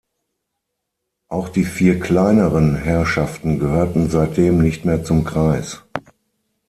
Auch die vier kleineren Herrschaften gehörten seitdem nicht mehr zum Kreis.